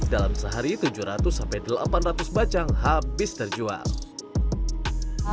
dalam sehari tujuh ratus sampai delapan ratus bacang habis terjual